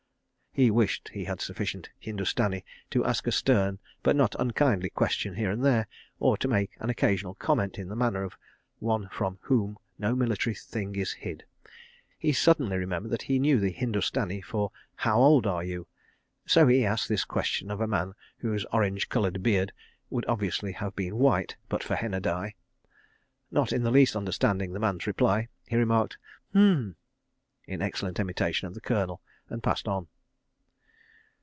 He wished he had sufficient Hindustani to ask a stern but not unkindly question here and there, or to make an occasional comment in the manner of one from whom no military thing is hid. He suddenly remembered that he knew the Hindustani for "How old are you?" so he asked this question of a man whose orange coloured beard would obviously have been white but for henna dye. Not in the least understanding the man's reply, he remarked "H'm!" in excellent imitation of the Colonel, and passed on.